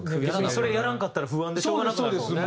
それやらなかったら不安でしょうがなくなりますよね。